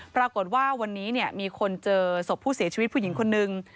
ปรากฏว่าวันนี้มีคนเจอศพผู้เสียชีวิตผู้หญิงคนนึง